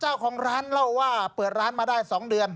เจ้าของร้านเล่าว่าเปิดร้านมาได้๒เดือน